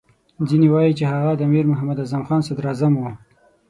ځینې وایي چې هغه د امیر محمد اعظم خان صدراعظم وو.